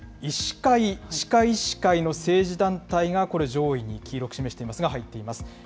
医師会・歯科医師会の政治団体がこれ上位に黄色く示していますが、入っています。